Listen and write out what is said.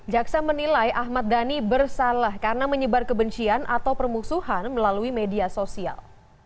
jaksa menilai ahmad dhani bersalah karena menyebar kebencian atau permusuhan melalui media sosial